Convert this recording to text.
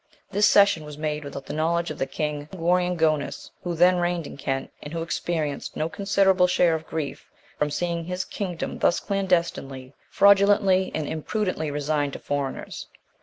This cession was made without the knowledge of the king, Guoyrancgonus,(2) who then reigned in Kent, and who experienced no inconsiderable share of grief, from seeing his kingdom thus clandestinely, fraudulently, and imprudently resigned to foreigners.